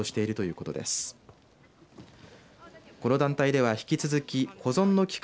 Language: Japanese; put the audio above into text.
この団体では引き続き保存の利く